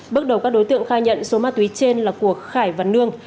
bước đầu các đối tượng khai nhận số ma túy trên là của khải và nương